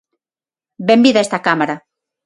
Benvida a esta Cámara.